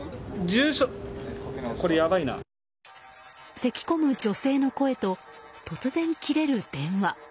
せき込む女性の声と突然切れる電話。